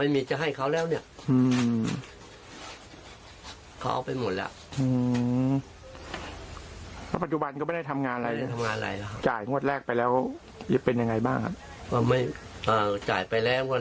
โมทแรกไปแล้วยิบเป็นอย่างไรบ้างไม่อ่าจ่ายไปแล้วมุทร